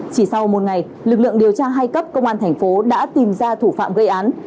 chỉ sau một ngày lực lượng điều tra hai cấp công an thành phố đã tìm ra thủ phạm gây án